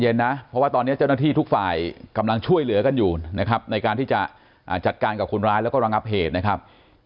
เพราะว่าตอนนี้เจ้าหน้าที่ทุกฝ่ายกำลังช่วยเหลือกันอยู่นะครับในการที่จะจัดการกับคนร้ายแล้วก็ระงับเหตุนะครับ